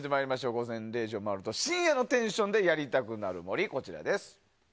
「午前０時の森」を回ると深夜のテンションでやりたくなる森です。